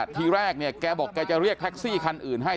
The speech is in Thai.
ทีแรกเขาบอกจะเรียกแท็กซี่คันอื่นให้